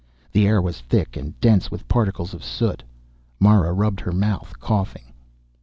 The air was thick and dense with particles of soot. Mara rubbed her mouth, coughing.